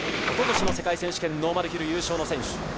おととしの世界選手権ノーマルヒル優勝の選手。